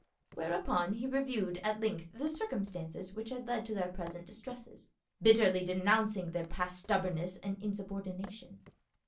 Whereupon he reviewed at length the circumstances which had led to their present distresses, bitterly denouncing their past stubbornness and insubordination.